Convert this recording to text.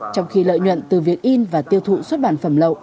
trong khi lợi nhuận từ việc in và tiêu thụ xuất bản phẩm lậu